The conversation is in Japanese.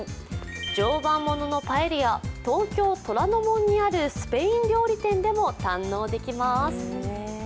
常磐物のパエリア、東京・虎ノ門にあるスペイン料理店でも堪能できます。